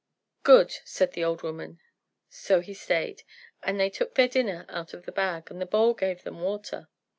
"Good," said the old woman. So he stayed, and they took their dinner out of the bag, and the bowl gave them water.